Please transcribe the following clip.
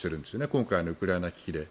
今回のウクライナ危機で。